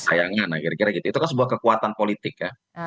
sayangnya nah kira kira gitu itu kan sebuah kekuatan politik ya